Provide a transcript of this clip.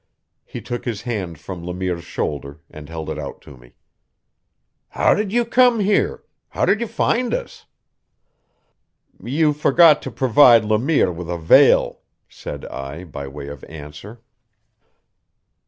He took his hand from Le Mire's shoulder and held it out to me. "How did you come here? How did you find us?" "You forgot to provide Le Mire with a veil," said I by way of answer.